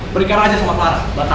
berikan raja sama clara batal